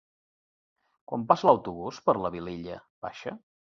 Quan passa l'autobús per la Vilella Baixa?